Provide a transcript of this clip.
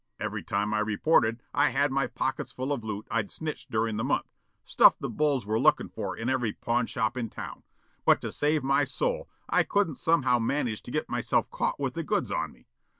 Every time I reported I had my pockets full of loot I'd snitched durin' the month, stuff the bulls were lookin' for in every pawn shop in town, but to save my soul I couldn't somehow manage to get myself caught with the goods on me.